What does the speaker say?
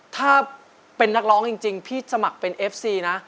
ถ้าเป็นนักร้องจริงพี่สมัครเป็นเอฟซีนะ